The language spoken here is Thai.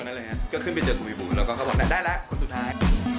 เรล่ะครับก็เพิ่งไปเจอกุมพี่บุ้นแล้วก็คือก็ก็เค้าบอกนะได้ละคนสุดท้าย